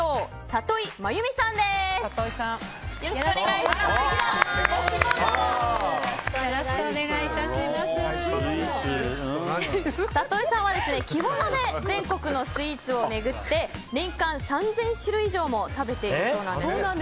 里井さんは着物で全国のスイーツを巡って年間３０００種類以上も食べているそうなんです。